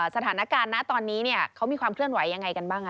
สถานการณ์นะตอนนี้เขามีความเคลื่อนไหวยังไงกันบ้าง